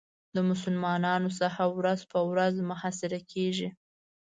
د مسلمانانو ساحه ورځ په ورځ محاصره کېږي.